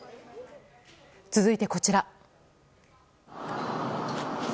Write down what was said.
続いて、こちら。